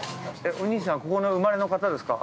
お兄さんここの生まれの方ですか。